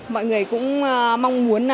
mọi người cũng mong muốn